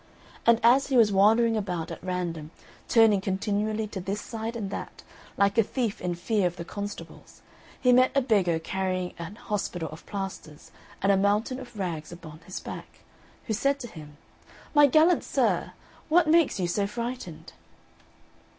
And as he was wandering about at random, turning continually to this side and that, like a thief in fear of the constables, he met a beggar carrying an hospital of plasters and a mountain of rags upon his back, who said to him, "My gallant sir, what makes you so frightened?"